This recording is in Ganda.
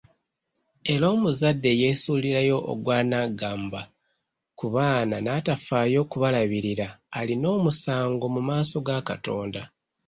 Era omuzadde eyeesuulirayo ogwa Nnaggamba ku baana n'atafaayo kubalabirira alina omusango mu maaso ga Katonda.